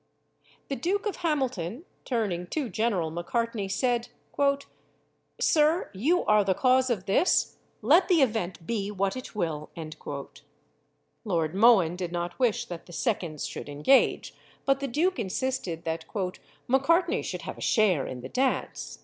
The Duke of Hamilton, turning to General Macartney, said, "Sir, you are the cause of this, let the event be what it will." Lord Mohun did not wish that the seconds should engage, but the duke insisted that "_Macartney should have a share in the dance.